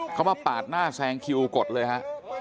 เขามาปาดหน้าแซงคิวกดเลยฮะ